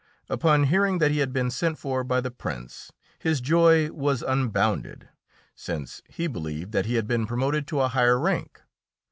Upon hearing that he had been sent for by the Prince, his joy was unbounded, since he believed that he had been promoted to a higher rank.